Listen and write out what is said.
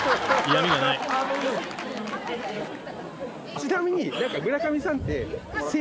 ちなみに。